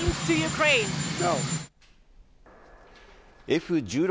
Ｆ１６